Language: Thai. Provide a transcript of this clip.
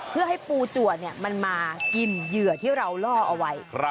เพื่อให้ปูจัวมันมากินเหยื่อที่เราล่อเอาไว้